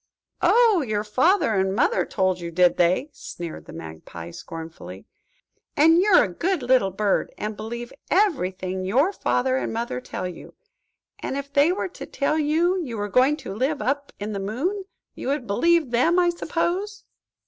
"Oh, your father and mother told you, did they?" sneered the Magpie, scornfully. "And you're a good little bird, and believe everything your father and mother tell you. And if they were to tell you you were going to live up in the moon, you would believe them, I suppose?"